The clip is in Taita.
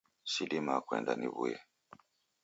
Sidimaa kuenda niw'uye.